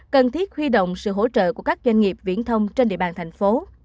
cần thiết huy động sự hỗ trợ của các doanh nghiệp viễn thông trên địa bàn thành phố